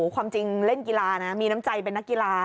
ความจริงเล่นกีฬานะมีน้ำใจเป็นนักกีฬา